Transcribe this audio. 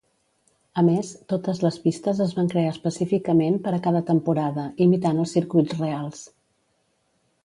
A més, totes les pistes es van crear específicament per a cada temporada, imitant els circuits reals.